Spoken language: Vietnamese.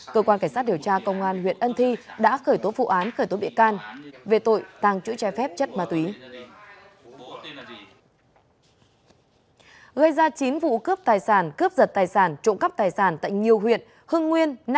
cơ quan cảnh sát điều tra công an huyện ân thi đã khởi tố phụ án khởi tố bị can